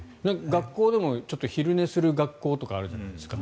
学校でも昼寝する学校とかあるじゃないですか。